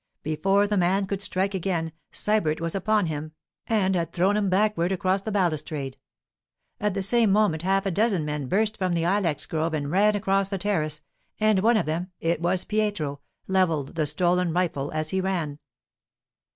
Before the man could strike again, Sybert was upon him and had thrown him backward across the balustrade. At the same moment half a dozen men burst from the ilex grove and ran across the terrace; and one of them—it was Pietro—levelled the stolen rifle as he ran.